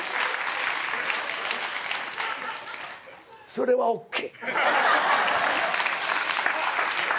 それはＯＫ。